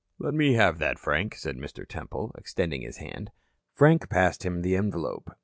"Let me have that, Frank," said Mr. Temple, extending his hand. Frank passed him the envelope.